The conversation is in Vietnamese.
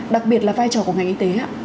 đặc biệt là vai trò của ngành y tế